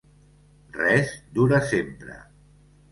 Res dura sempre.